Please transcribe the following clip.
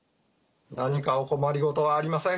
「何かお困り事はありませんか？」